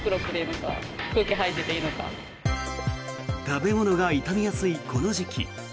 食べ物が傷みやすいこの時期。